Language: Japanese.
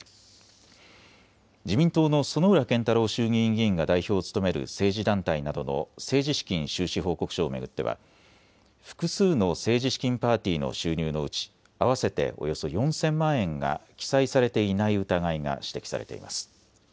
自民党の薗浦健太郎衆議院議員が代表を務める政治団体などの政治資金収支報告書を巡っては複数の政治資金パーティーの収入のうち合わせておよそ４０００万円が記載されていない疑いが指摘されています。